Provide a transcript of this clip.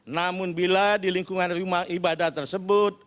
namun bila di lingkungan rumah ibadah tersebut